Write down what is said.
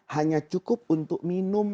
hanya cukup untuk minum